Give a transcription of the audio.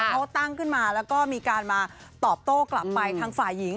เขาตั้งขึ้นมาแล้วก็มีการมาตอบโต้กลับไปทางฝ่ายหญิง